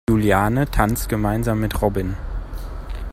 Juliane tanzt gemeinsam mit Robin.